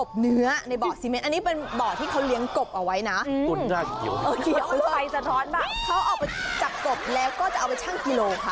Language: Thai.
เขาออกไปจับกบแล้วก็จะเอาไปชั่งกิโลค่ะ